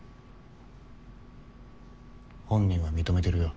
本人は認めてるよ。